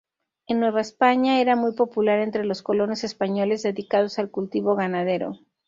En Nueva España era muy popular entre los colonos españoles dedicados al cultivo ganadero.